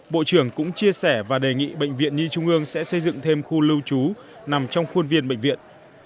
bộ trưởng cũng chia sẻ và đề nghị bệnh viện nhi trung ương sẽ xây dựng thêm khu lưu trú nằm trong khuôn viên bệnh viện